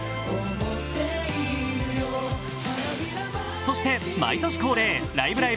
そして毎年恒例、「ライブ！ライブ！」